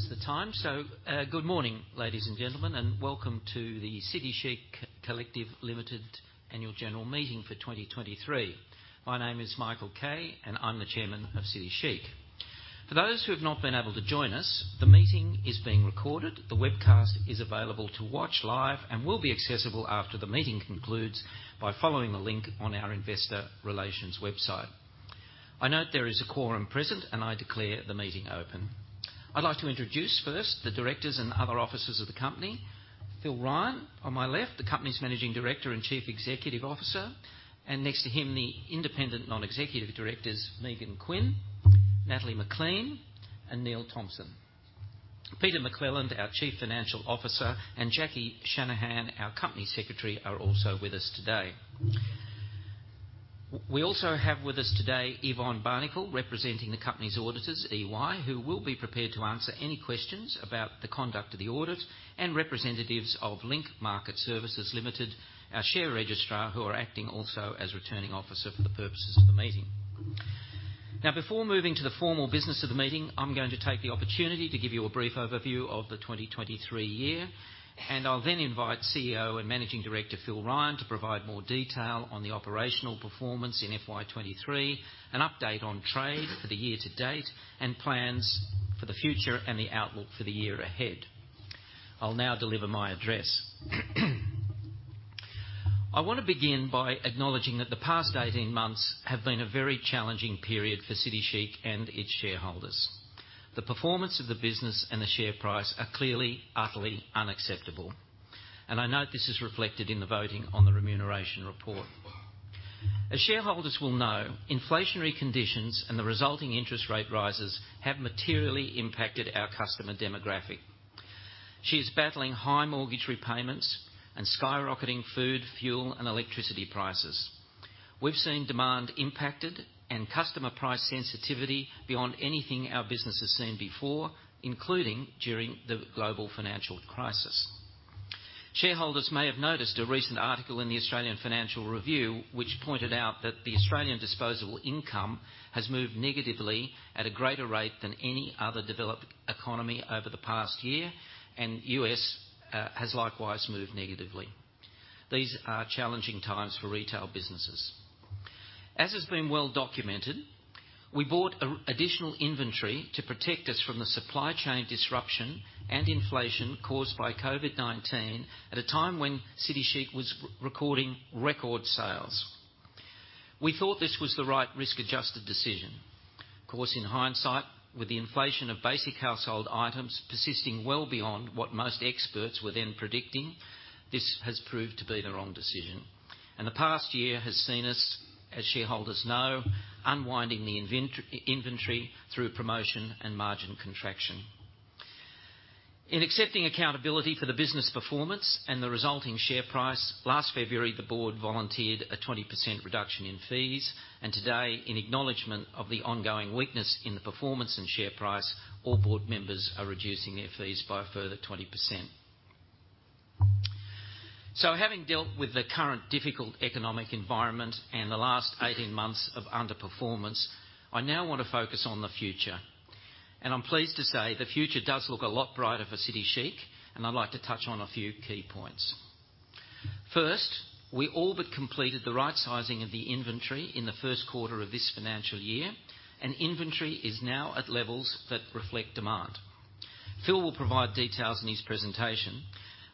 I notice the time, so, good morning, ladies and gentlemen, and welcome to the City Chic Collective Limited Annual General Meeting for 2023. My name is Michael Kay, and I'm the chairman of City Chic. For those who have not been able to join us, the meeting is being recorded. The webcast is available to watch live and will be accessible after the meeting concludes by following the link on our investor relations website. I note there is a quorum present, and I declare the meeting open. I'd like to introduce first the directors and other officers of the company. Phil Ryan, on my left, the company's Managing Director and Chief Executive Officer, and next to him, the Independent Non-executive Directors, Megan Quinn, Natalie McLean, and Neil Thompson. Peter McClelland, our Chief Financial Officer, and Jackie Shanahan, our Company Secretary, are also with us today. We also have with us today Yvonne Barnikel, representing the company's auditors, EY, who will be prepared to answer any questions about the conduct of the audit, and representatives of Link Market Services Limited, our share registrar, who are acting also as returning officer for the purposes of the meeting. Now, before moving to the formal business of the meeting, I'm going to take the opportunity to give you a brief overview of the 2023 year, and I'll then invite CEO and Managing Director, Phil Ryan, to provide more detail on the operational performance in FY 2023, an update on trade for the year to date, and plans for the future and the outlook for the year ahead. I'll now deliver my address. I want to begin by acknowledging that the past 18 months have been a very challenging period for City Chic and its shareholders. The performance of the business and the share price are clearly utterly unacceptable, and I note this is reflected in the voting on the remuneration report. As shareholders will know, inflationary conditions and the resulting interest rate rises have materially impacted our customer demographic. She is battling high mortgage repayments and skyrocketing food, fuel, and electricity prices. We've seen demand impacted and customer price sensitivity beyond anything our business has seen before, including during the global financial crisis. Shareholders may have noticed a recent article in The Australian Financial Review, which pointed out that the Australian disposable income has moved negatively at a greater rate than any other developed economy over the past year, and U.S., has likewise moved negatively. These are challenging times for retail businesses. As has been well documented, we bought additional inventory to protect us from the supply chain disruption and inflation caused by COVID-19, at a time when City Chic was recording record sales. We thought this was the right risk-adjusted decision. Of course, in hindsight, with the inflation of basic household items persisting well beyond what most experts were then predicting, this has proved to be the wrong decision. The past year has seen us, as shareholders know, unwinding the inventory through promotion and margin contraction. In accepting accountability for the business performance and the resulting share price, last February, the board volunteered a 20% reduction in fees, and today, in acknowledgement of the ongoing weakness in the performance and share price, all board members are reducing their fees by a further 20%. So having dealt with the current difficult economic environment and the last 18 months of underperformance, I now want to focus on the future. I'm pleased to say the future does look a lot brighter for City Chic, and I'd like to touch on a few key points. First, we all but completed the right sizing of the inventory in the first quarter of this financial year, and inventory is now at levels that reflect demand. Phil will provide details in his presentation.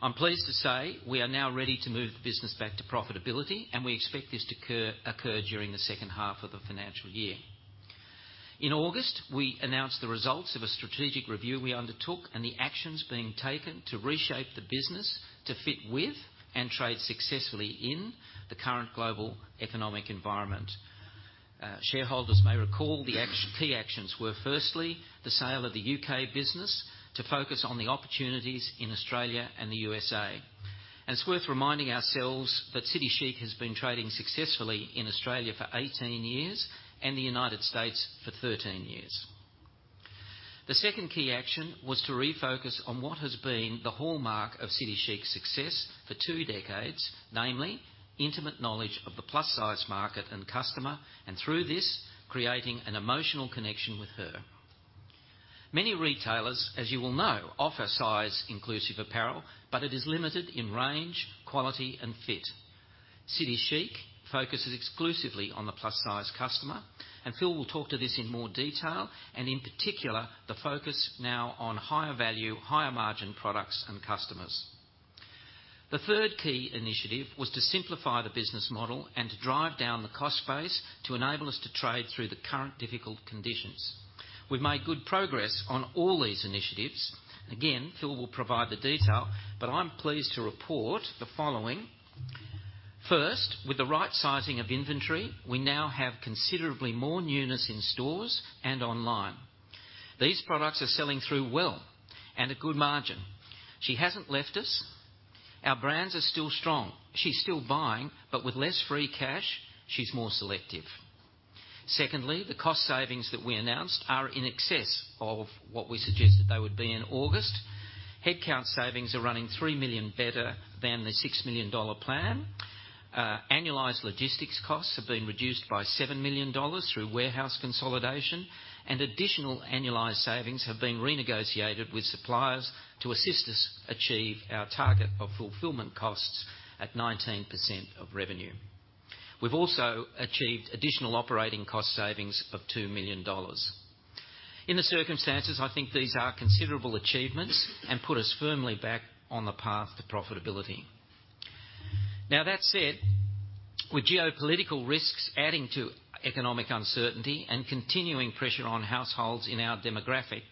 I'm pleased to say we are now ready to move the business back to profitability, and we expect this to occur during the second half of the financial year. In August, we announced the results of a strategic review we undertook and the actions being taken to reshape the business to fit with and trade successfully in the current global economic environment. Shareholders may recall the key actions were, firstly, the sale of the U.K. business to focus on the opportunities in Australia and the USA. It's worth reminding ourselves that City Chic has been trading successfully in Australia for 18 years and the United States for 13 years. The second key action was to refocus on what has been the hallmark of City Chic's success for two decades, namely, intimate knowledge of the plus-size market and customer, and through this, creating an emotional connection with her. Many retailers, as you well know, offer size-inclusive apparel, but it is limited in range, quality, and fit. City Chic focuses exclusively on the plus-size customer, and Phil will talk to this in more detail, and in particular, the focus now on higher value, higher margin products and customers. The third key initiative was to simplify the business model and to drive down the cost base to enable us to trade through the current difficult conditions. We've made good progress on all these initiatives. Again, Phil will provide the detail, but I'm pleased to report the following: First, with the right sizing of inventory, we now have considerably more newness in stores and online. These products are selling through well and at good margin. She hasn't left us. Our brands are still strong. She's still buying, but with less free cash, she's more selective.... Secondly, the cost savings that we announced are in excess of what we suggested they would be in August. Headcount savings are running 3 million better than the 6 million dollar plan. Annualized logistics costs have been reduced by 7 million dollars through warehouse consolidation, and additional annualized savings have been renegotiated with suppliers to assist us achieve our target of fulfillment costs at 19% of revenue. We've also achieved additional operating cost savings of 2 million dollars. In the circumstances, I think these are considerable achievements and put us firmly back on the path to profitability. Now, that said, with geopolitical risks adding to economic uncertainty and continuing pressure on households in our demographic,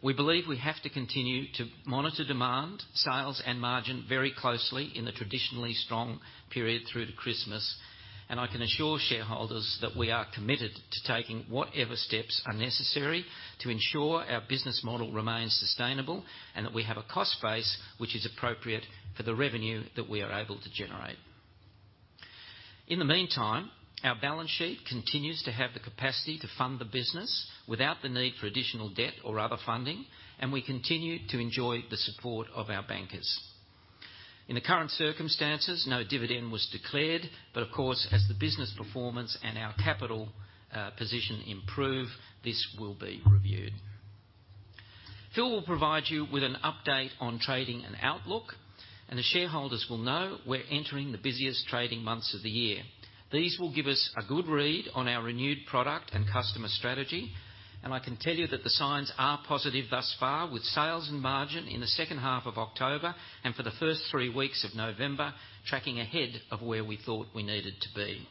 we believe we have to continue to monitor demand, sales, and margin very closely in the traditionally strong period through to Christmas, and I can assure shareholders that we are committed to taking whatever steps are necessary to ensure our business model remains sustainable, and that we have a cost base which is appropriate for the revenue that we are able to generate. In the meantime, our balance sheet continues to have the capacity to fund the business without the need for additional debt or other funding, and we continue to enjoy the support of our bankers. In the current circumstances, no dividend was declared, but of course, as the business performance and our capital position improve, this will be reviewed. Phil will provide you with an update on trading and outlook, and as shareholders will know, we're entering the busiest trading months of the year. These will give us a good read on our renewed product and customer strategy, and I can tell you that the signs are positive thus far, with sales and margin in the second half of October and for the first three weeks of November, tracking ahead of where we thought we needed to be.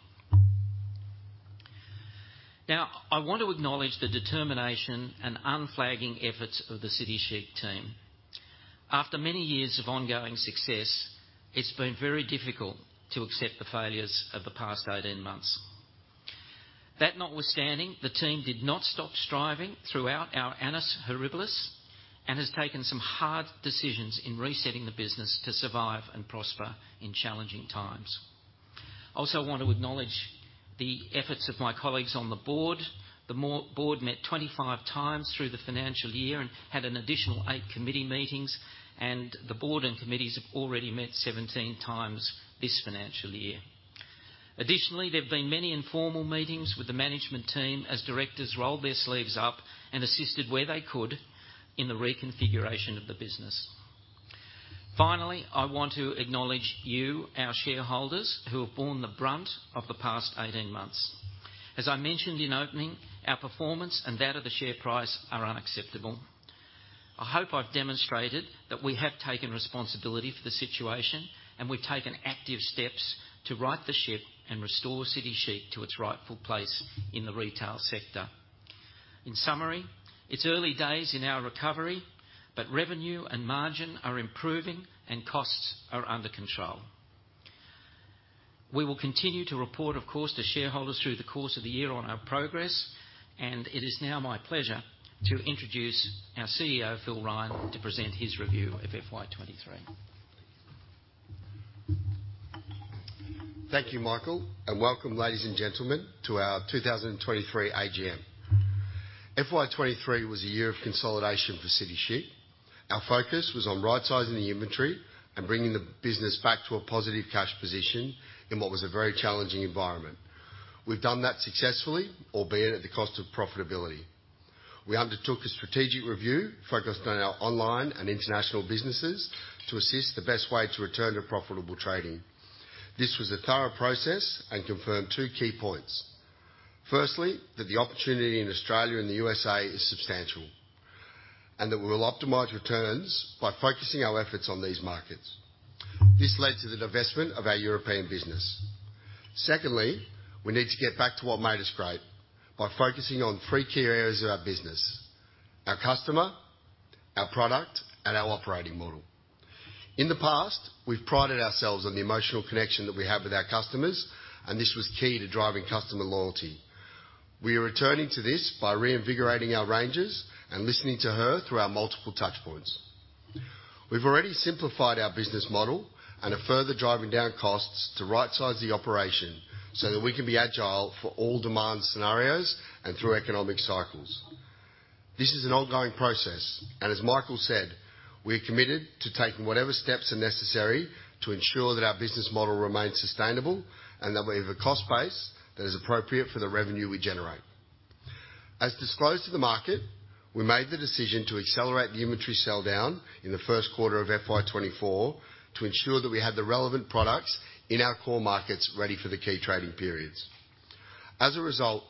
Now, I want to acknowledge the determination and unflagging efforts of the City Chic team. After many years of ongoing success, it's been very difficult to accept the failures of the past 18 months. That notwithstanding, the team did not stop striving throughout our annus horribilis, and has taken some hard decisions in resetting the business to survive and prosper in challenging times. I also want to acknowledge the efforts of my colleagues on the board. The board met 25 times through the financial year and had an additional eight committee meetings, and the board and committees have already met 17 times this financial year. Additionally, there have been many informal meetings with the management team as directors rolled their sleeves up and assisted where they could in the reconfiguration of the business. Finally, I want to acknowledge you, our shareholders, who have borne the brunt of the past 18 months. As I mentioned in opening, our performance and that of the share price are unacceptable. I hope I've demonstrated that we have taken responsibility for the situation, and we've taken active steps to right the ship and restore City Chic to its rightful place in the retail sector. In summary, it's early days in our recovery, but revenue and margin are improving and costs are under control. We will continue to report, of course, to shareholders through the course of the year on our progress, and it is now my pleasure to introduce our CEO, Phil Ryan, to present his review of FY 2023. Thank you, Michael, and welcome, ladies and gentlemen, to our 2023 AGM. FY 2023 was a year of consolidation for City Chic. Our focus was on right-sizing the inventory and bringing the business back to a positive cash position in what was a very challenging environment. We've done that successfully, albeit at the cost of profitability. We undertook a strategic review focused on our online and international businesses to assist the best way to return to profitable trading. This was a thorough process and confirmed two key points. Firstly, that the opportunity in Australia and the USA is substantial, and that we will optimize returns by focusing our efforts on these markets. This led to the divestment of our European business. Secondly, we need to get back to what made us great by focusing on three key areas of our business: our customer, our product, and our operating model. In the past, we've prided ourselves on the emotional connection that we have with our customers, and this was key to driving customer loyalty. We are returning to this by reinvigorating our ranges and listening to her through our multiple touchpoints. We've already simplified our business model and are further driving down costs to rightsize the operation so that we can be agile for all demand scenarios and through economic cycles. This is an ongoing process, and as Michael said, we are committed to taking whatever steps are necessary to ensure that our business model remains sustainable and that we have a cost base that is appropriate for the revenue we generate. As disclosed to the market, we made the decision to accelerate the inventory sell-down in the first quarter of FY 2024 to ensure that we had the relevant products in our core markets ready for the key trading periods. As a result,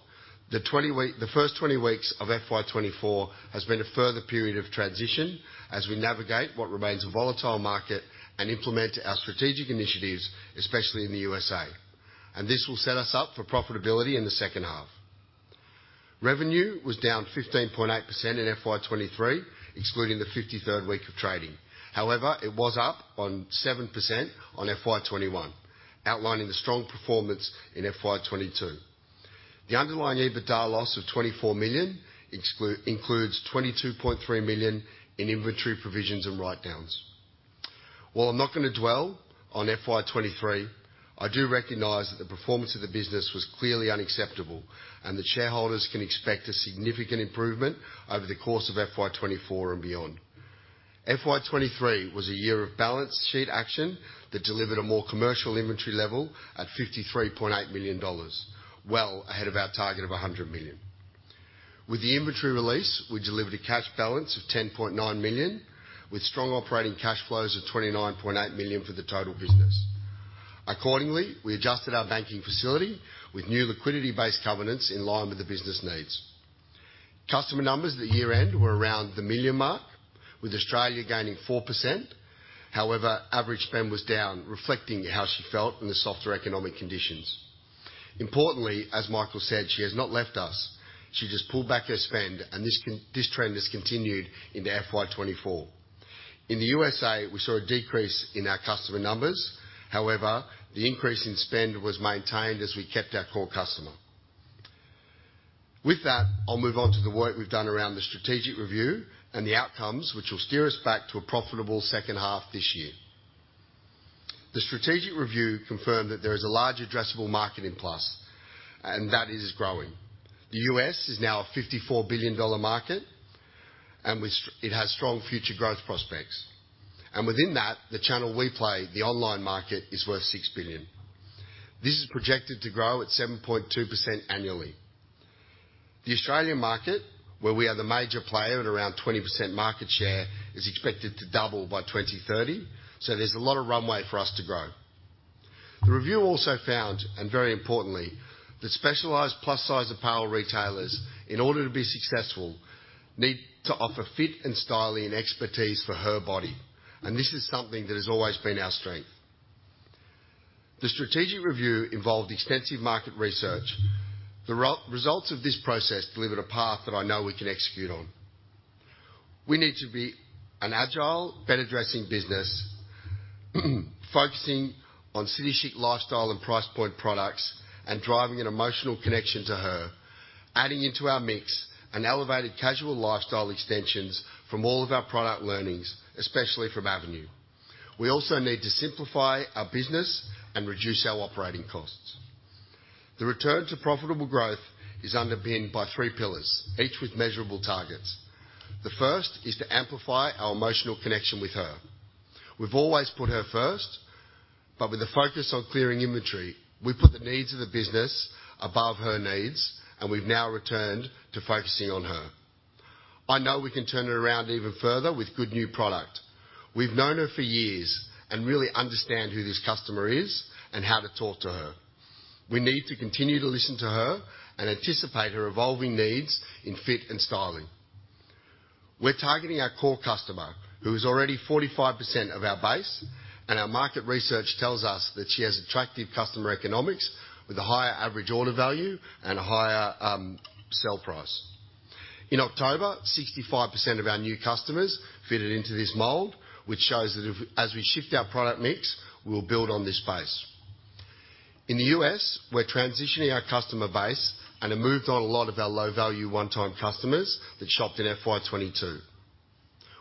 the first 20 weeks of FY 2024 has been a further period of transition as we navigate what remains a volatile market and implement our strategic initiatives, especially in the USA, and this will set us up for profitability in the second half. Revenue was down 15.8% in FY 2023, excluding the 53rd week of trading. However, it was up 7% on FY 2021, outlining the strong performance in FY 2022. The underlying EBITDA loss of AUD 24 million includes AUD 22.3 million in inventory provisions and write-downs.... While I'm not going to dwell on FY 2023, I do recognize that the performance of the business was clearly unacceptable, and the shareholders can expect a significant improvement over the course of FY 2024 and beyond. FY 2023 was a year of balance sheet action that delivered a more commercial inventory level at 53.8 million dollars, well ahead of our target of 100 million. With the inventory release, we delivered a cash balance of 10.9 million, with strong operating cash flows of 29.8 million for the total business. Accordingly, we adjusted our banking facility with new liquidity-based covenants in line with the business needs. Customer numbers at the year-end were around the 1 million mark, with Australia gaining 4%. However, average spend was down, reflecting how she felt in the softer economic conditions. Importantly, as Michael said, she has not left us. She just pulled back her spend, and this trend has continued into FY 2024. In the USA, we saw a decrease in our customer numbers. However, the increase in spend was maintained as we kept our core customer. With that, I'll move on to the work we've done around the strategic review and the outcomes, which will steer us back to a profitable second half this year. The strategic review confirmed that there is a large addressable market in Plus, and that it is growing. The US is now a $54 billion market, and it has strong future growth prospects. Within that, the channel we play, the online market, is worth $6 billion. This is projected to grow at 7.2% annually. The Australian market, where we are the major player at around 20% market share, is expected to double by 2030, so there's a lot of runway for us to grow. The review also found, and very importantly, that specialized plus-size apparel retailers, in order to be successful, need to offer fit and styling and expertise for her body, and this is something that has always been our strength. The strategic review involved extensive market research. The results of this process delivered a path that I know we can execute on. We need to be an agile, better-dressing business, focusing on City Chic lifestyle and price point products and driving an emotional connection to her, adding into our mix an elevated casual lifestyle extensions from all of our product learnings, especially from Avenue. We also need to simplify our business and reduce our operating costs. The return to profitable growth is underpinned by three pillars, each with measurable targets. The first is to amplify our emotional connection with her. We've always put her first, but with the focus on clearing inventory, we put the needs of the business above her needs, and we've now returned to focusing on her. I know we can turn it around even further with good new product. We've known her for years and really understand who this customer is and how to talk to her. We need to continue to listen to her and anticipate her evolving needs in fit and styling. We're targeting our core customer, who is already 45% of our base, and our market research tells us that she has attractive customer economics with a higher average order value and a higher sell price. In October, 65% of our new customers fit into this mold, which shows that if, as we shift our product mix, we'll build on this base. In the U.S., we're transitioning our customer base and have moved on a lot of our low-value, one-time customers that shopped in FY 2022.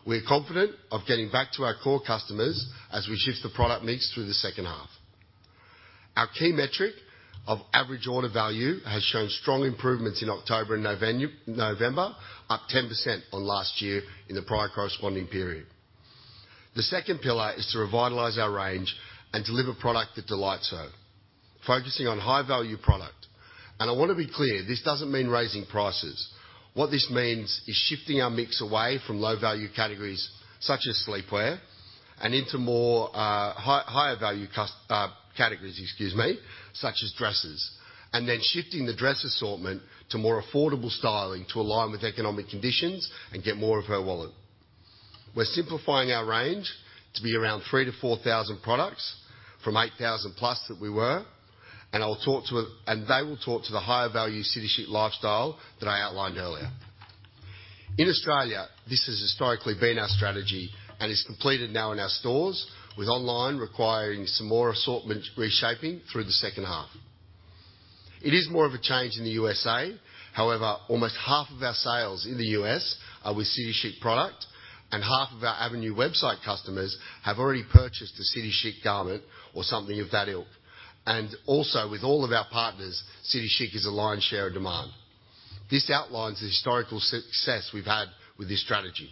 We're confident of getting back to our core customers as we shift the product mix through the second half. Our key metric of average order value has shown strong improvements in October and November, up 10% on last year in the prior corresponding period. The second pillar is to revitalize our range and deliver product that delights her, focusing on high-value product. I want to be clear, this doesn't mean raising prices. What this means is shifting our mix away from low-value categories, such as sleepwear, and into more higher value categories, such as dresses, and then shifting the dress assortment to more affordable styling to align with economic conditions and get more of her wallet. We're simplifying our range to be around 3,000-4,000 products from 8,000+ that we were, and I'll talk to and they will talk to the higher value City Chic lifestyle that I outlined earlier. In Australia, this has historically been our strategy and is completed now in our stores, with online requiring some more assortment reshaping through the second half. It is more of a change in the USA. However, almost half of our sales in the U.S. are with City Chic product, and half of our Avenue website customers have already purchased a City Chic garment or something of that ilk. And also, with all of our partners, City Chic is a lion's share of demand. This outlines the historical success we've had with this strategy.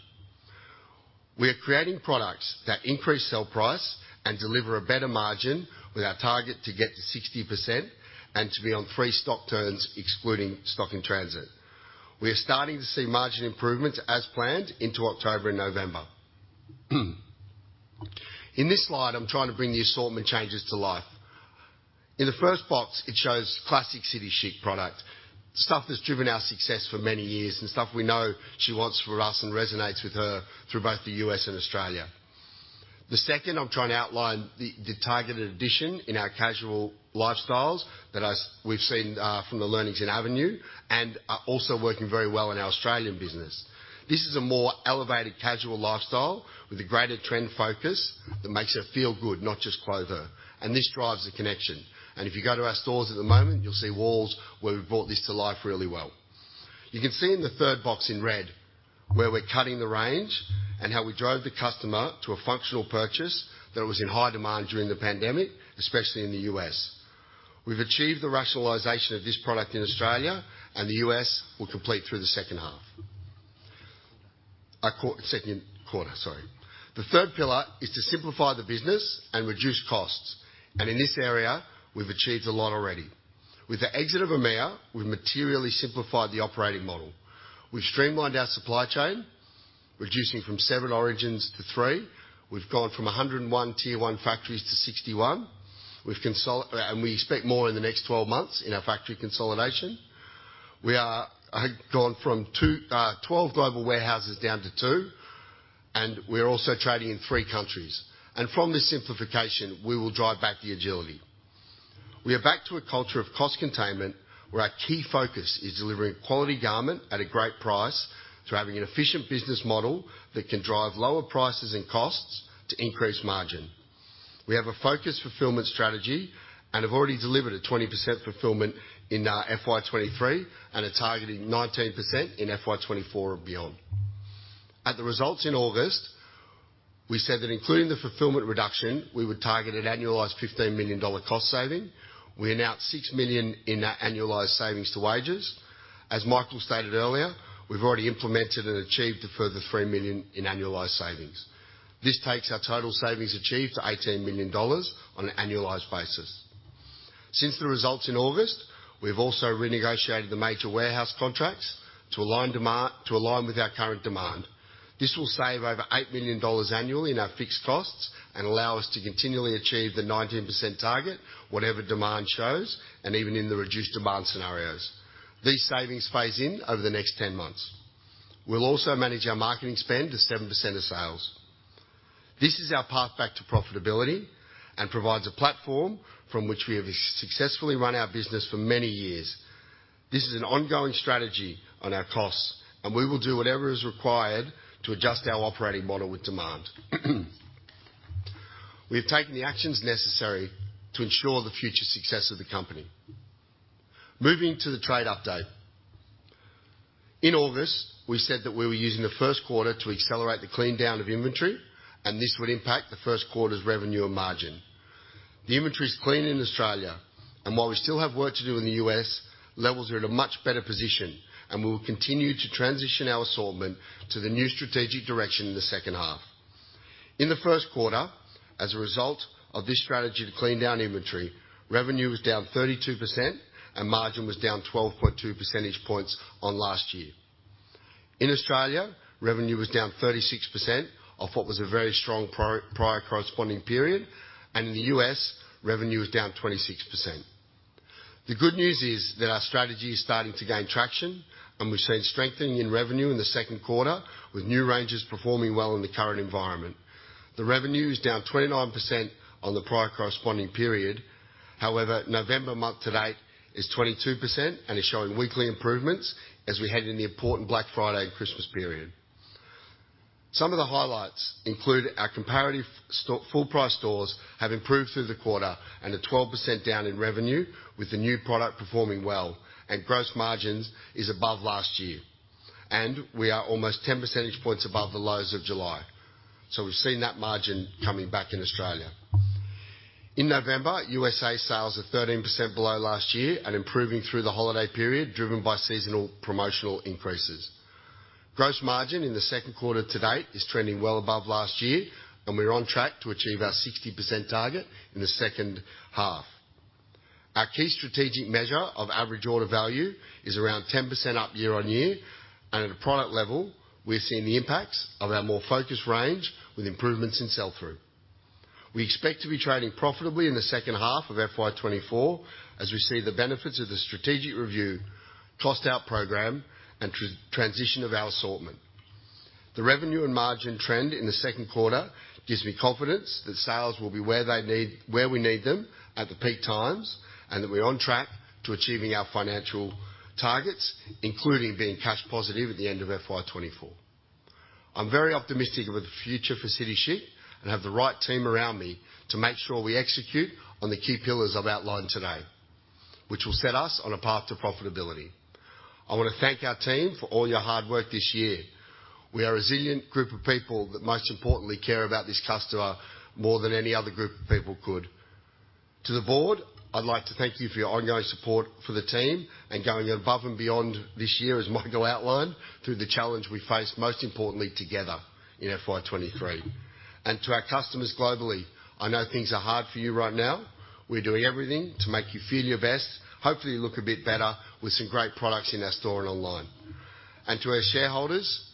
We are creating products that increase sell price and deliver a better margin, with our target to get to 60% and to be on three stock turns, excluding stock in transit. We are starting to see margin improvements as planned into October and November. In this slide, I'm trying to bring the assortment changes to life. In the first box, it shows classic City Chic product, stuff that's driven our success for many years and stuff we know she wants from us and resonates with her through both the U.S. and Australia. The second, I'm trying to outline the targeted addition in our casual lifestyles that we've seen from the learnings in Avenue and are also working very well in our Australian business. This is a more elevated casual lifestyle with a greater trend focus that makes her feel good, not just clothe her, and this drives the connection. And if you go to our stores at the moment, you'll see walls where we've brought this to life really well. You can see in the third box in red, where we're cutting the range and how we drove the customer to a functional purchase that was in high demand during the pandemic, especially in the US. We've achieved the rationalization of this product in Australia, and the U.S. will complete through the second quarter. The third pillar is to simplify the business and reduce costs, and in this area, we've achieved a lot already. With the exit of EMEA, we've materially simplified the operating model. We've streamlined our supply chain, reducing from seven origins to three. We've gone from 101 Tier 1 factories to 61. And we expect more in the next 12 months in our factory consolidation. We've gone from 12 global warehouses down to two, and we're also trading in three countries. From this simplification, we will drive back the agility. We are back to a culture of cost containment, where our key focus is delivering quality garment at a great price through having an efficient business model that can drive lower prices and costs to increase margin. We have a focused fulfillment strategy and have already delivered a 20% fulfillment in FY 2023 and are targeting 19% in FY 2024 and beyond. At the results in August, we said that including the fulfillment reduction, we would target an annualized 15 million dollar cost saving. We announced 6 million in our annualized savings to wages. As Michael stated earlier, we've already implemented and achieved a further 3 million in annualized savings. This takes our total savings achieved to 18 million dollars on an annualized basis. Since the results in August, we've also renegotiated the major warehouse contracts to align with our current demand. This will save over 8 million dollars annually in our fixed costs and allow us to continually achieve the 19% target, whatever demand shows, and even in the reduced demand scenarios. These savings phase in over the next 10 months. We'll also manage our marketing spend to 7% of sales. This is our path back to profitability and provides a platform from which we have successfully run our business for many years. This is an ongoing strategy on our costs, and we will do whatever is required to adjust our operating model with demand. We have taken the actions necessary to ensure the future success of the company. Moving to the trade update. In August, we said that we were using the first quarter to accelerate the clean down of inventory, and this would impact the first quarter's revenue and margin. The inventory is clean in Australia, and while we still have work to do in the U.S., levels are in a much better position, and we will continue to transition our assortment to the new strategic direction in the second half. In the first quarter, as a result of this strategy to clean down inventory, revenue was down 32%, and margin was down 12.2 percentage points on last year. In Australia, revenue was down 36% of what was a very strong prior corresponding period, and in the U.S., revenue was down 26%. The good news is that our strategy is starting to gain traction, and we've seen strengthening in revenue in the second quarter, with new ranges performing well in the current environment. The revenue is down 29% on the prior corresponding period. However, November month to date is 22% and is showing weekly improvements as we head into the important Black Friday and Christmas period. Some of the highlights include our comparative store full-price stores have improved through the quarter and are 12% down in revenue, with the new product performing well, and gross margins is above last year. And we are almost 10 percentage points above the lows of July. So we've seen that margin coming back in Australia. In November, USA sales are 13% below last year and improving through the holiday period, driven by seasonal promotional increases. Gross margin in the second quarter to date is trending well above last year, and we're on track to achieve our 60% target in the second half. Our key strategic measure of average order value is around 10% up year on year, and at a product level, we're seeing the impacts of our more focused range with improvements in sell-through. We expect to be trading profitably in the second half of FY 2024 as we see the benefits of the strategic review, cost out program, and transition of our assortment. The revenue and margin trend in the second quarter gives me confidence that sales will be where we need them at the peak times, and that we're on track to achieving our financial targets, including being cash positive at the end of FY 2024. I'm very optimistic about the future for City Chic and have the right team around me to make sure we execute on the key pillars I've outlined today, which will set us on a path to profitability. I want to thank our team for all your hard work this year. We are a resilient group of people that most importantly, care about this customer more than any other group of people could. To the board, I'd like to thank you for your ongoing support for the team and going above and beyond this year, as Michael outlined, through the challenge we faced, most importantly, together in FY 2023. To our customers globally, I know things are hard for you right now. We're doing everything to make you feel your best, hopefully look a bit better with some great products in our store and online. To our shareholders,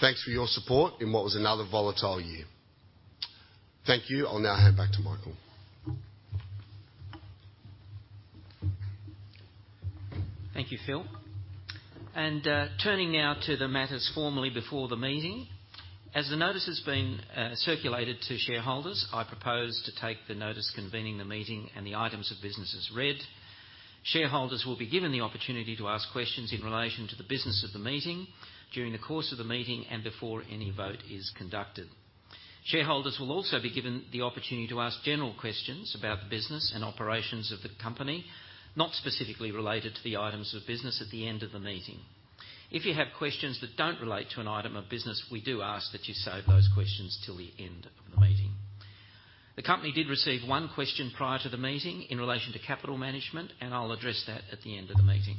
thanks for your support in what was another volatile year. Thank you. I'll now hand back to Michael. Thank you, Phil. And, turning now to the matters formally before the meeting. As the notice has been circulated to shareholders, I propose to take the notice convening the meeting and the items of businesses read. Shareholders will be given the opportunity to ask questions in relation to the business of the meeting during the course of the meeting and before any vote is conducted.... Shareholders will also be given the opportunity to ask general questions about the business and operations of the company, not specifically related to the items of business at the end of the meeting. If you have questions that don't relate to an item of business, we do ask that you save those questions till the end of the meeting. The company did receive one question prior to the meeting in relation to capital management, and I'll address that at the end of the meeting.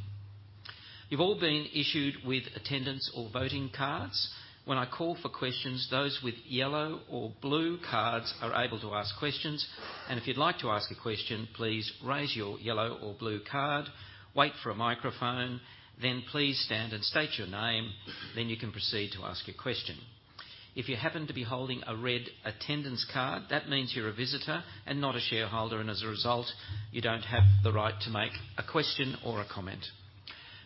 You've all been issued with attendance or voting cards. When I call for questions, those with yellow or blue cards are able to ask questions. If you'd like to ask a question, please raise your yellow or blue card, wait for a microphone, then please stand and state your name, then you can proceed to ask a question. If you happen to be holding a red attendance card, that means you're a visitor and not a shareholder, and as a result, you don't have the right to make a question or a comment.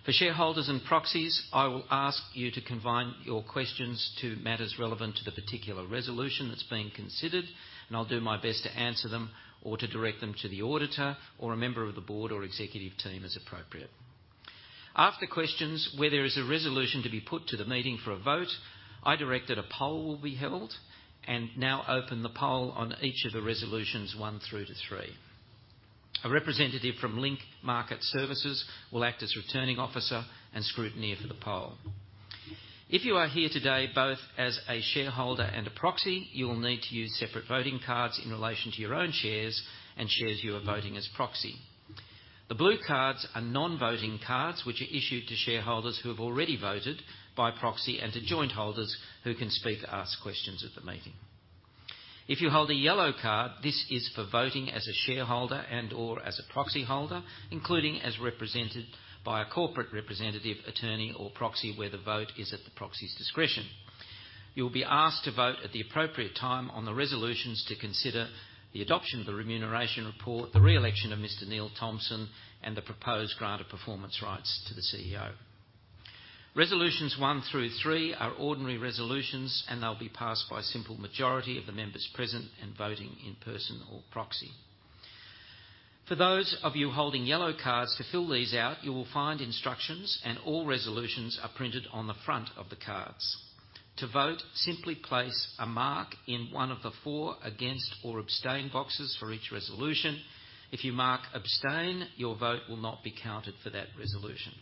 For shareholders and proxies, I will ask you to confine your questions to matters relevant to the particular resolution that's being considered, and I'll do my best to answer them or to direct them to the auditor or a member of the board or executive team as appropriate. After questions, where there is a resolution to be put to the meeting for a vote, I direct that a poll will be held, and now open the poll on each of the resolutions one through to three. A representative from Link Market Services will act as Returning Officer and Scrutineer for the poll. If you are here today, both as a shareholder and a proxy, you will need to use separate voting cards in relation to your own shares and shares you are voting as proxy. The blue cards are non-voting cards, which are issued to shareholders who have already voted by proxy and to joint holders who can speak to ask questions at the meeting. If you hold a yellow card, this is for voting as a shareholder and/or as a proxy holder, including as represented by a corporate representative, attorney, or proxy, where the vote is at the proxy's discretion. You will be asked to vote at the appropriate time on the resolutions to consider the adoption of the remuneration report, the re-election of Mr. Neil Thompson, and the proposed grant of performance rights to the CEO. Resolutions one through three are ordinary resolutions, and they'll be passed by a simple majority of the members present and voting in person or proxy. For those of you holding yellow cards, to fill these out, you will find instructions and all resolutions are printed on the front of the cards. To vote, simply place a mark in one of the four Against or Abstain boxes for each resolution. If you mark Abstain, your vote will not be counted for that resolution.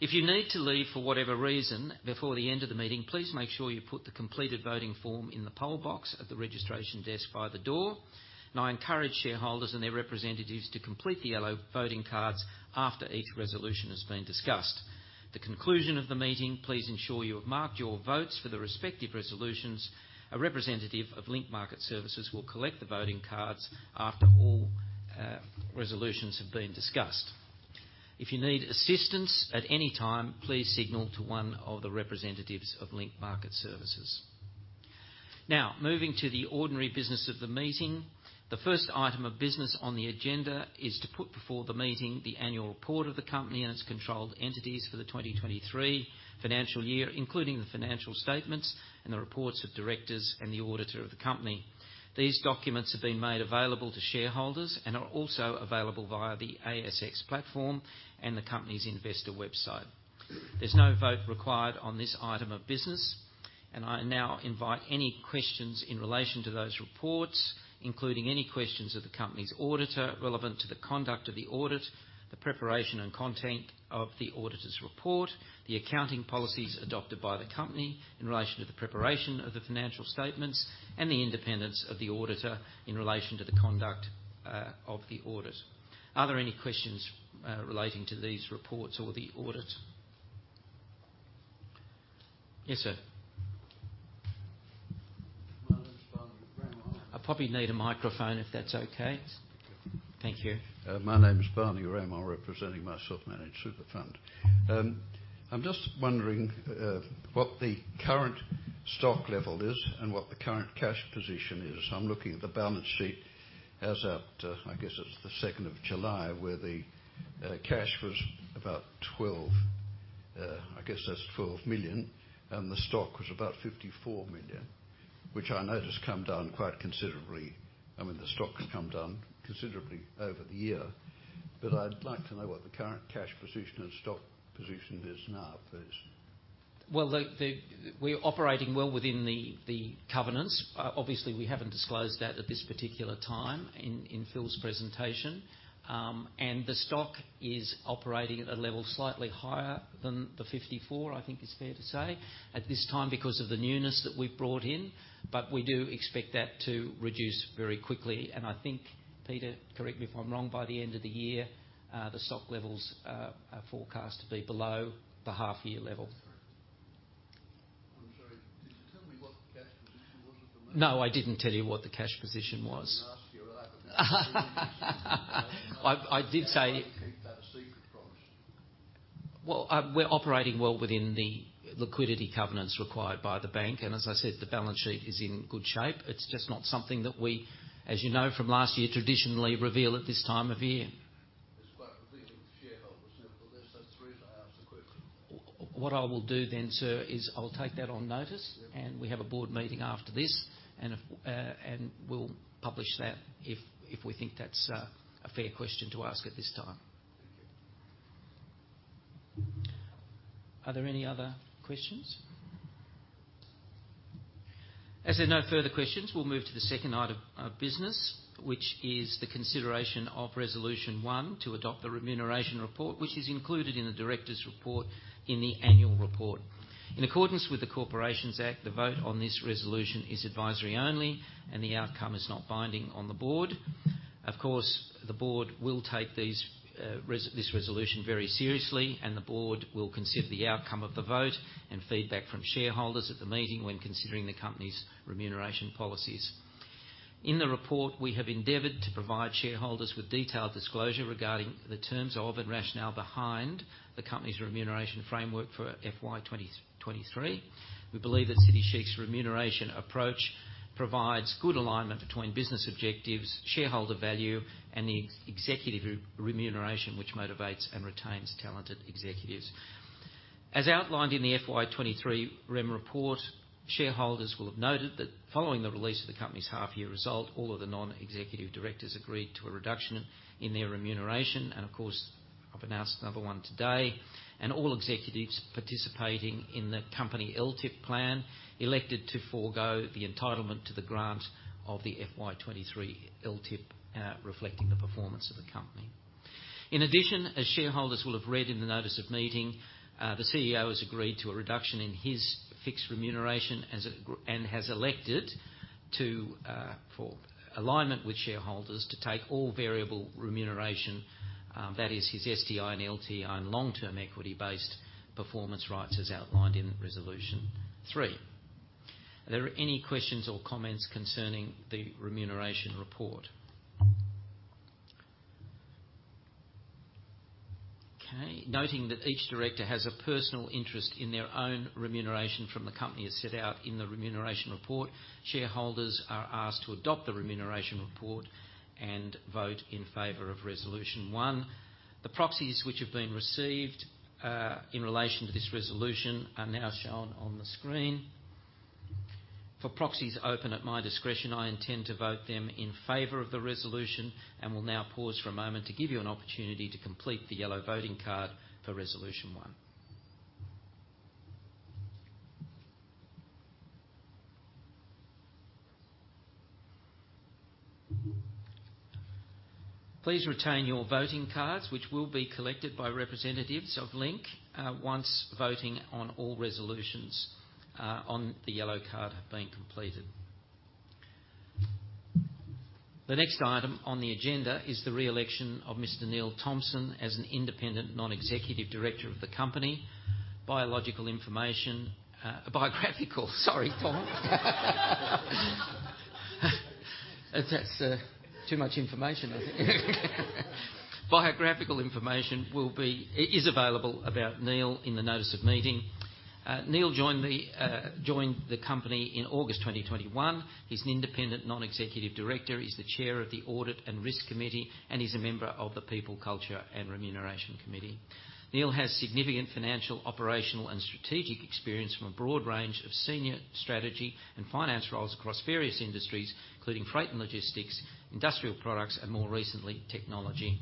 If you need to leave for whatever reason before the end of the meeting, please make sure you put the completed voting form in the poll box at the registration desk by the door. And I encourage shareholders and their representatives to complete the yellow voting cards after each resolution has been discussed. The conclusion of the meeting, please ensure you have marked your votes for the respective resolutions. A representative of Link Market Services will collect the voting cards after all resolutions have been discussed. If you need assistance at any time, please signal to one of the representatives of Link Market Services. Now, moving to the ordinary business of the meeting. The first item of business on the agenda is to put before the meeting the annual report of the company and its controlled entities for the 2023 financial year, including the financial statements and the reports of directors and the auditor of the company. These documents have been made available to shareholders and are also available via the ASX platform and the company's investor website. There's no vote required on this item of business, and I now invite any questions in relation to those reports, including any questions of the company's auditor relevant to the conduct of the audit, the preparation and content of the auditor's report, the accounting policies adopted by the company in relation to the preparation of the financial statements, and the independence of the auditor in relation to the conduct of the audit. Are there any questions relating to these reports or the audit? Yes, sir. I probably need a microphone, if that's okay. Thank you. My name is [Corny Remo]. I'm representing myself, managed through the fund. I'm just wondering what the current stock level is and what the current cash position is. I'm looking at the balance sheet as at, I guess it's the second of July, where the cash was about 12 million, and the stock was about 54 million, which I know has come down quite considerably. I mean, the stock has come down considerably over the year, but I'd like to know what the current cash position and stock position is now, please. Well, we're operating well within the covenants. Obviously, we haven't disclosed that at this particular time in Phil's presentation. The stock is operating at a level slightly higher than the 54, I think is fair to say at this time, because of the newness that we've brought in, but we do expect that to reduce very quickly. I think, Peter, correct me if I'm wrong, by the end of the year, the stock levels are forecast to be below the half-year level. I'm sorry, did you tell me what the cash position was at the moment? No, I didn't tell you what the cash position was. Last year, I did say- Why keep that a secret from us? Well, we're operating well within the liquidity covenants required by the bank, and as I said, the balance sheet is in good shape. It's just not something that we, as you know from last year, traditionally reveal at this time of year. It's quite revealing to shareholders. Now, but that's the reason I asked the question. What I will do then, sir, is I'll take that on notice- Yeah. And we have a board meeting after this, and we'll publish that if we think that's a fair question to ask at this time. Are there any other questions? As there are no further questions, we'll move to the second item of business, which is the consideration of Resolution 1, to adopt the remuneration report, which is included in the director's report in the annual report. In accordance with the Corporations Act, the vote on this resolution is advisory only, and the outcome is not binding on the board. Of course, the board will take this resolution very seriously, and the board will consider the outcome of the vote and feedback from shareholders at the meeting when considering the company's remuneration policies. In the report, we have endeavored to provide shareholders with detailed disclosure regarding the terms of, and rationale behind, the company's remuneration framework for FY 2023. We believe that City Chic's remuneration approach provides good alignment between business objectives, shareholder value, and the executive remuneration, which motivates and retains talented executives. As outlined in the FY 2023 rem report, shareholders will have noted that following the release of the company's half-year result, all of the non-executive directors agreed to a reduction in their remuneration. Of course, I've announced another one today, and all executives participating in the company LTI plan elected to forgo the entitlement to the grant of the FY 2023 LTI, reflecting the performance of the company. In addition, as shareholders will have read in the notice of meeting, the CEO has agreed to a reduction in his fixed remuneration and has elected to, for alignment with shareholders, to take all variable remuneration, that is his STI and LTI and long-term equity-based performance rights, as outlined in Resolution 3. Are there any questions or comments concerning the remuneration report? Okay. Noting that each director has a personal interest in their own remuneration from the company, as set out in the remuneration report, shareholders are asked to adopt the remuneration report and vote in favor of Resolution 1. The proxies which have been received, in relation to this resolution are now shown on the screen. For proxies open at my discretion, I intend to vote them in favor of the resolution and will now pause for a moment to give you an opportunity to complete the yellow voting card for Resolution 1. Please retain your voting cards, which will be collected by representatives of Link once voting on all resolutions on the yellow card have been completed. The next item on the agenda is the re-election of Mr. Neil Thompson as an independent non-executive director of the company. Biographical information! Sorry, Paul. That's too much information, I think. Biographical information is available about Neil in the notice of meeting. Neil joined the company in August 2021. He's an independent non-executive director. He's the chair of the Audit and Risk Committee, and he's a member of the People, Culture, and Remuneration Committee. Neil has significant financial, operational, and strategic experience from a broad range of senior strategy and finance roles across various industries, including freight and logistics, industrial products, and more recently, technology.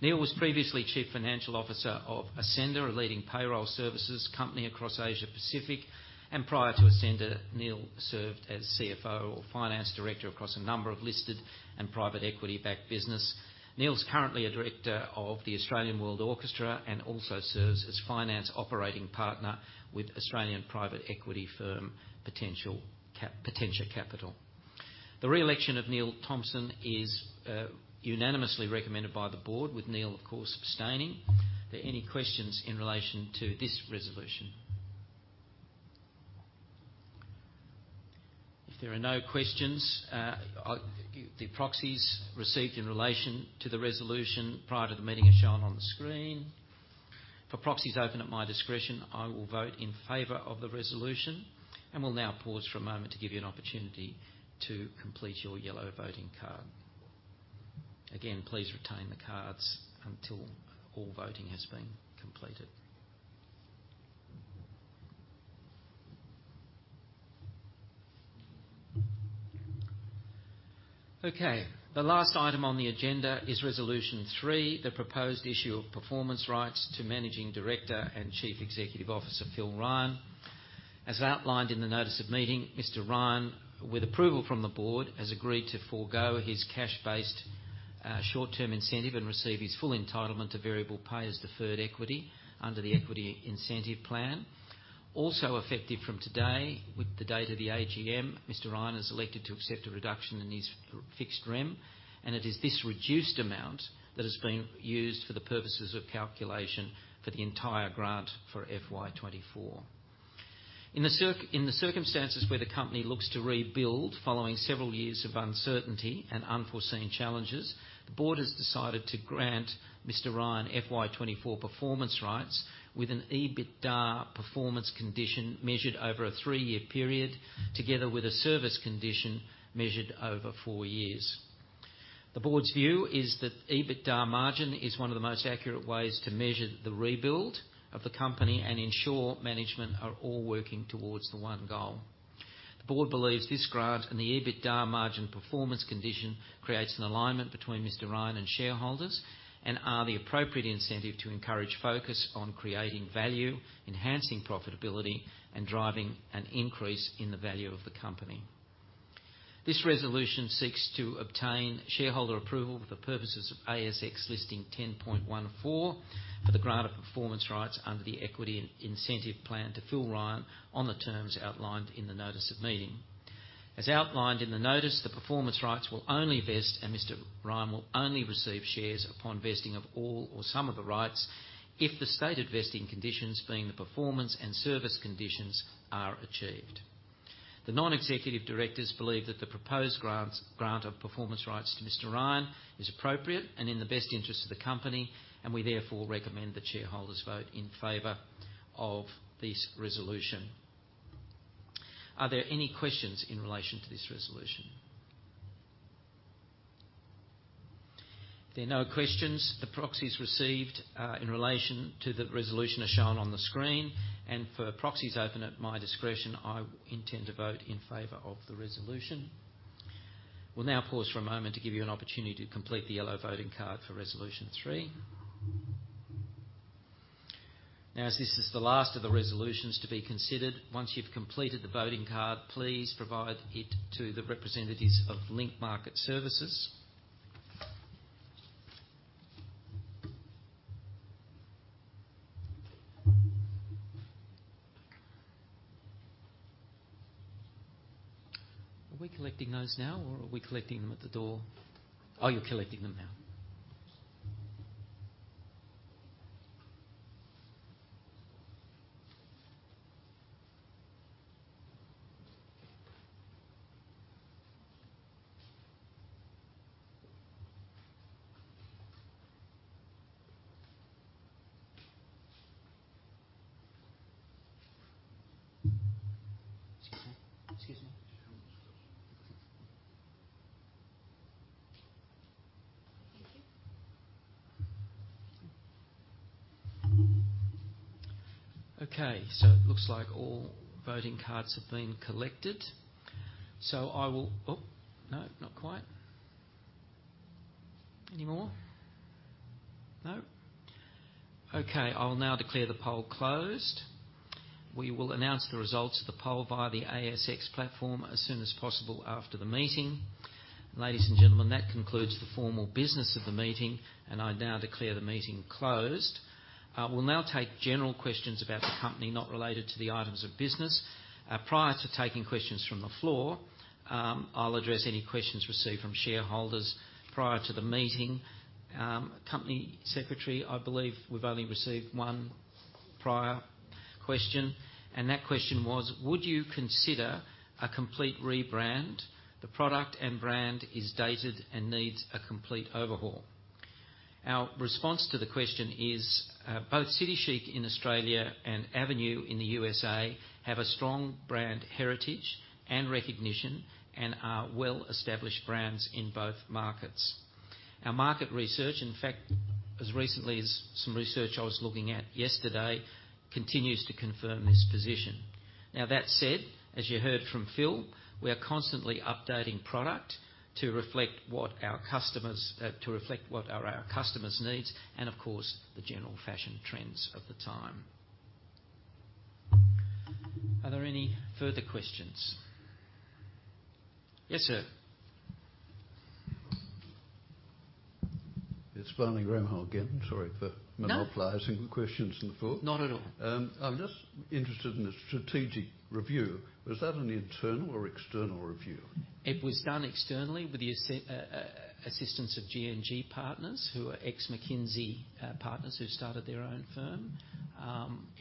Neil was previously chief financial officer of Ascender, a leading payroll services company across Asia Pacific, and prior to Ascender, Neil served as CFO or finance director across a number of listed and private equity-backed business. Neil's currently a director of the Australian World Orchestra and also serves as finance operating partner with Australian private equity firm Potentia Capital. The re-election of Neil Thompson is unanimously recommended by the board, with Neil, of course, abstaining. Are there any questions in relation to this resolution? If there are no questions, the proxies received in relation to the resolution prior to the meeting are shown on the screen. For proxies open at my discretion, I will vote in favor of the resolution and will now pause for a moment to give you an opportunity to complete your yellow voting card. Again, please retain the cards until all voting has been completed. Okay. The last item on the agenda is Resolution 3, the proposed issue of performance rights to Managing Director and Chief Executive Officer, Phil Ryan. As outlined in the notice of meeting, Mr. Ryan, with approval from the board, has agreed to forgo his cash-based short-term incentive and receive his full entitlement to variable pay as deferred equity under the Equity Incentive Plan. Also effective from today, with the date of the AGM, Mr. Ryan has elected to accept a reduction in his fixed rem, and it is this reduced amount that has been used for the purposes of calculation for the entire grant for FY 2024. In the circumstances where the company looks to rebuild following several years of uncertainty and unforeseen challenges, the board has decided to grant Mr. Ryan FY 2024 performance rights with an EBITDA performance condition measured over a three-year period, together with a service condition measured over four years. The board's view is that EBITDA margin is one of the most accurate ways to measure the rebuild of the company and ensure management are all working towards the one goal.... The board believes this grant and the EBITDA margin performance condition creates an alignment between Mr. Ryan and shareholders, and are the appropriate incentive to encourage focus on creating value, enhancing profitability, and driving an increase in the value of the company. This resolution seeks to obtain shareholder approval for the purposes of ASX Listing Rule 10.14, for the grant of performance rights under the Equity Incentive Plan to Phil Ryan on the terms outlined in the notice of meeting. As outlined in the notice, the performance rights will only vest, and Mr. Ryan will only receive shares upon vesting of all or some of the rights if the stated vesting conditions, being the performance and service conditions, are achieved. The non-executive directors believe that the proposed grant of performance rights to Mr. Ryan is appropriate and in the best interest of the company, and we therefore recommend that shareholders vote in favor of this resolution. Are there any questions in relation to this resolution? There are no questions. The proxies received in relation to the resolution are shown on the screen, and for proxies open at my discretion, I intend to vote in favor of the resolution. We'll now pause for a moment to give you an opportunity to complete the yellow voting card for Resolution three. Now, as this is the last of the resolutions to be considered, once you've completed the voting card, please provide it to the representatives of Link Market Services. Are we collecting those now, or are we collecting them at the door? Oh, you're collecting them now. Excuse me. Excuse me. Thank you. Okay, so it looks like all voting cards have been collected, so I will... Oh, no, not quite. Any more? No. Okay, I will now declare the poll closed. We will announce the results of the poll via the ASX platform as soon as possible after the meeting. Ladies and gentlemen, that concludes the formal business of the meeting, and I now declare the meeting closed. We'll now take general questions about the company, not related to the items of business. Prior to taking questions from the floor, I'll address any questions received from shareholders prior to the meeting. Company Secretary, I believe we've only received one prior question, and that question was: Would you consider a complete rebrand? The product and brand is dated and needs a complete overhaul. Our response to the question is, both City Chic in Australia and Avenue in the USA have a strong brand heritage and recognition, and are well-established brands in both markets. Our market research, in fact, as recently as some research I was looking at yesterday, continues to confirm this position. Now, that said, as you heard from Phil, we are constantly updating product to reflect what our customers, to reflect what are our customers' needs and, of course, the general fashion trends of the time. Are there any further questions? Yes, sir. It's [Corne Remo] again. Sorry for- No. monopolizing the questions on the floor. Not at all. I'm just interested in the strategic review. Was that an internal or external review? It was done externally with the assistance of GNG Partners, who are ex-McKinsey partners, who started their own firm.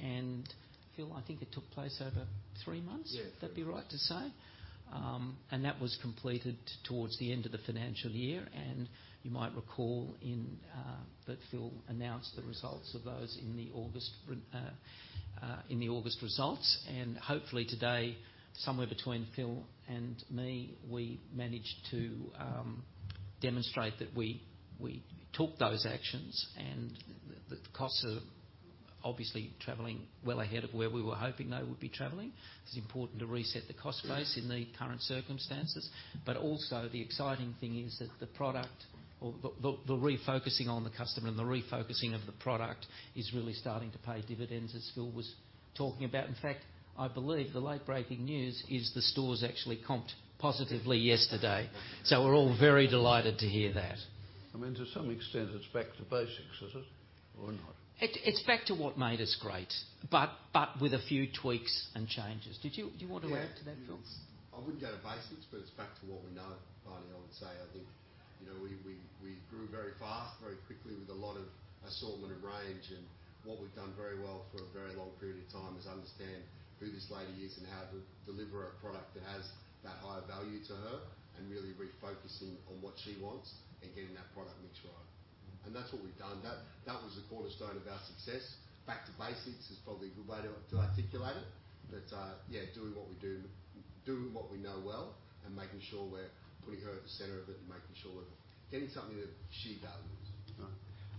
And Phil, I think it took place over three months? Yeah. That'd be right to say. And that was completed towards the end of the financial year, and you might recall in that Phil announced the results of those in the August results. And hopefully today, somewhere between Phil and me, we managed to demonstrate that we took those actions, and the costs are obviously traveling well ahead of where we were hoping they would be traveling. It's important to reset the cost base in the current circumstances. But also, the exciting thing is that the product or the refocusing on the customer and the refocusing of the product is really starting to pay dividends, as Phil was talking about. In fact, I believe the late-breaking news is the stores actually comped positively yesterday. So we're all very delighted to hear that. I mean, to some extent, it's back to basics, is it, or not? It's back to what made us great, but with a few tweaks and changes. Do you want to add to that, Phil? Yeah. I wouldn't go to basics, but it's back to what we know, Barney, I would say. I think, you know, we grew very fast, very quickly, with a lot of assortment and range. And what we've done very well for a very long period of time is understand who this lady is and how to deliver a product that has that higher value to her, and really refocusing on what she wants and getting that product mix right. And that's what we've done. That was the cornerstone of our success. Back to basics is probably a good way to articulate it, but yeah, doing what we do, doing what we know well, and making sure we're putting her at the center of it and making sure we're getting something that she values.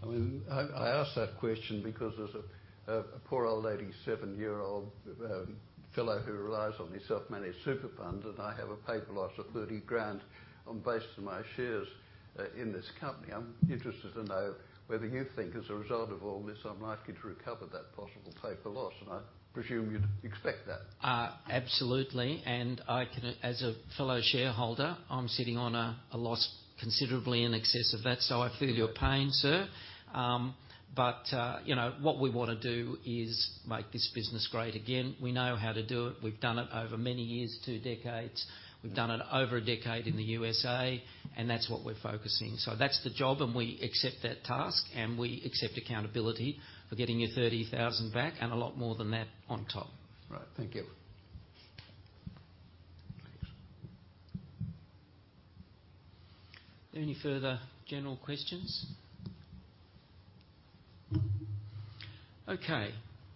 I mean, I ask that question because as a poor old lady, 70-year-old fellow who relies on his self-managed super fund, and I have a paper loss of 30,000 on the basis of my shares in this company, I'm interested to know whether you think, as a result of all this, I'm likely to recover that possible paper loss, and I presume you'd expect that. Absolutely, and I can... As a fellow shareholder, I'm sitting on a loss considerably in excess of that, so I feel your pain, sir. Yeah. But, you know, what we want to do is make this business great again. We know how to do it. We've done it over many years, two decades. We've done it over a decade in the USA, and that's what we're focusing. So that's the job, and we accept that task, and we accept accountability for getting your 30,000 back and a lot more than that on top. Right. Thank you. Any further general questions? Okay,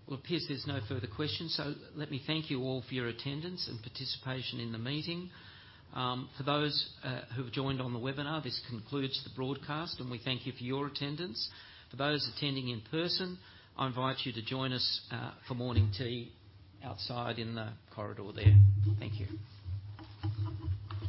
well, appears there's no further questions, so let me thank you all for your attendance and participation in the meeting. For those who've joined on the webinar, this concludes the broadcast, and we thank you for your attendance. For those attending in person, I invite you to join us for morning tea outside in the corridor there. Thank you.